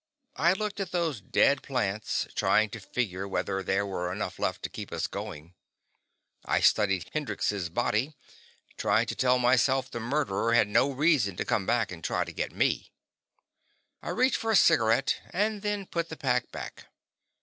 I looked at those dead plants, trying to figure whether there were enough left to keep us going. I studied Hendrix's body, trying to tell myself the murderer had no reason to come back and try to get me. I reached for a cigarette, and then put the pack back.